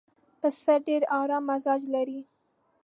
پسه ډېر ارام مزاج لري.